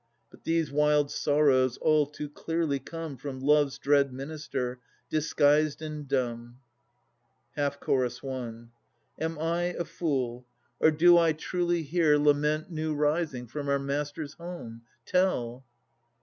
But these wild sorrows all too clearly come From Love's dread minister, disguised and dumb. CH. 1. Am I a fool, or do I truly hear Lament new rising from our master's home? Tell!